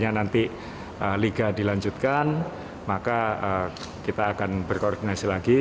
jika nanti liga dilanjutkan maka kita akan berkoordinasi lagi